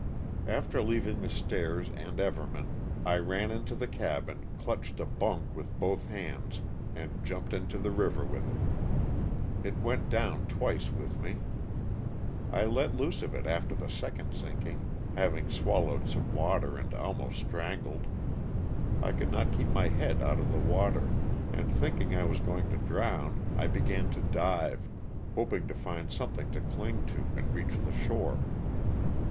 After leaving the stairs and Everman I ran into the cabin, clutched a bunk with both hands and jumped into the river with it. It went down twice with me. I let loose of it after the second sinking, having swal lowed some water and almost strangled. I could not keep my head out of the water, and thinking I was going to drown I began to dive, hoping to find some thing to cling to and reach the shore.